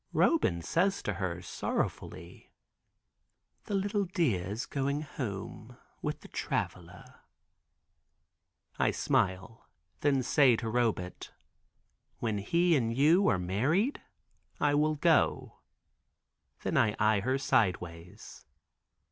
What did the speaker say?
Roban says to her sorrowfully, "The little dear is going home with the Traveler." I smile, then say to Robet, "When he and you are married I will go." Then I eye her sideways.